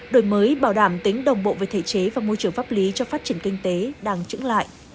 đổi mới bảo đảm tính đồng bộ về thể chế và môi trường pháp lý cho phát triển kinh tế đang trứng lại